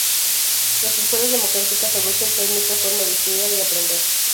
Las escuelas democráticas aducen que hay muchas formas de estudiar y aprender.